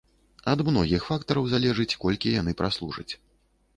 Ад многіх фактараў залежыць, колькі яны праслужаць.